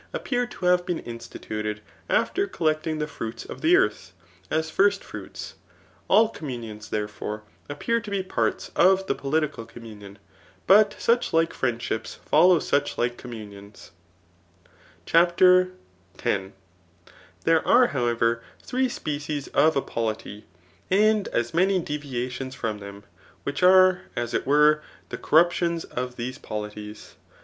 811 aqpptfttr to hare been inodtuted after collecdng the fruits of tbe eutb^ as first fruits^ All communions, therefore, wppcm to be parts of the pdkical communion. But sucb lflie fiiicfidshqis fblbw todi4ike commimions. CHAPTER X. Thihb are^ howerer, three species of a polity, and as many deviations from them, which are, as it were^ tht ccyruptions of these polities.